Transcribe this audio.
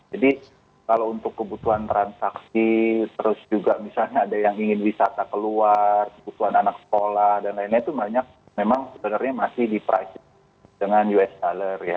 jadi kalau untuk kebutuhan transaksi terus juga misalnya ada yang ingin wisata keluar kebutuhan anak sekolah dan lainnya itu memang sebenarnya masih di price dengan us dollar ya